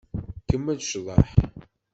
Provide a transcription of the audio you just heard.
Kemmel ccḍeḥ.